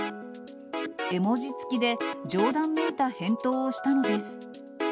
絵文字付きで、冗談めいた返答をしたのです。